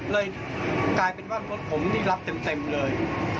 เลยกลายเป็นว่ารถผมนี่รับเต็มเลย